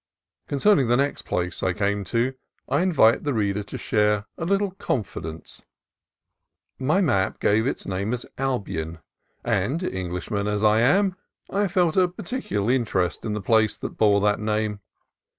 Concerning the next place I came to, I invite the reader to share a little confidence. My map gave its name as Albion, and, Englishman as I am, I felt a particular interest in the place that bore that name.